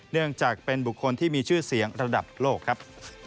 เนื่องจากเป็นบุคคลที่มีชื่อเสียงระดับโลกครับ